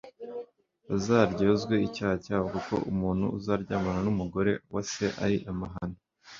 bazaryozwe icyaha cyabo kuko umuntu uzaryamana n’umugore wa se ari amahano